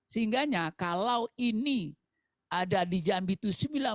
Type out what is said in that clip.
sehingganya kalau ini ada di jambi itu